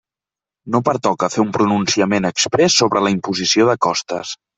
No pertoca fer un pronunciament exprés sobre la imposició de costes.